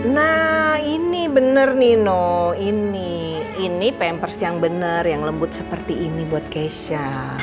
nah ini bener nino ini pampers yang bener yang lembut seperti ini buat keisha